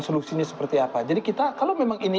solusinya seperti apa jadi kita kalau memang ini